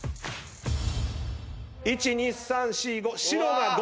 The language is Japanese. １２３４５白が５。